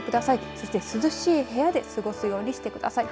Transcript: そして涼しい部屋で過ごすようにしてください。